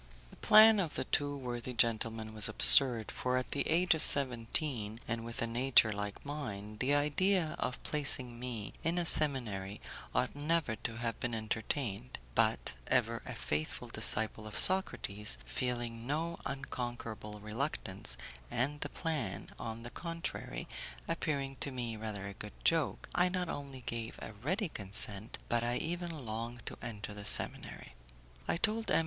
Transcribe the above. The plan of the two worthy gentlemen was absurd, for at the age of seventeen, and with a nature like mine, the idea of placing me in a seminary ought never to have been entertained, but ever a faithful disciple of Socrates, feeling no unconquerable reluctance, and the plan, on the contrary, appearing to me rather a good joke, I not only gave a ready consent, but I even longed to enter the seminary. I told M.